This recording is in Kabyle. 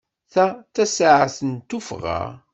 Ta d tasaɛet n tuffɣa.